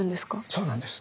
そうなんです。